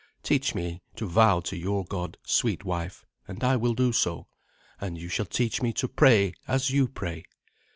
Teach me to vow to your God, sweet wife, and I will do so; and you shall teach me to pray as you pray."